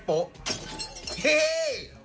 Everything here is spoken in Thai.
เฮ